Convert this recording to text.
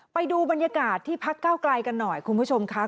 ไปดูบรรยากาศที่พักเก้าไกลกันหน่อยคุณผู้ชมครับ